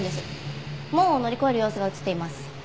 門を乗り越える様子が映っています。